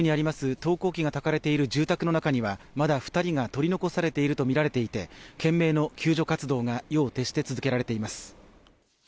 投光器がたかれている住宅にはまだ２人が取り残されているとみられていて、懸命の救助活動が夜を徹して続けられています。